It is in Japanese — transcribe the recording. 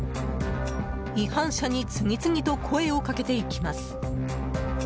違反者に次々と声をかけていきます。